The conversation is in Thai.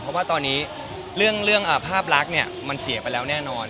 เพราะว่าตอนนี้เรื่องภาพลักษณ์เนี่ยมันเสียไปแล้วแน่นอน